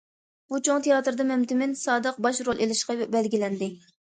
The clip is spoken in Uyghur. بۇ چوڭ تىياتىردا مەمتىمىن سادىق باش رول ئېلىشقا بەلگىلەندى.